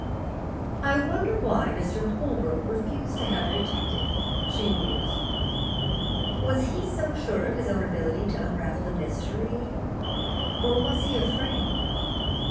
"I wonder why Mr. Holbrook refused to have a detective?" she mused. "Was he so sure of his own ability to unravel the mystery, or was he afraid?"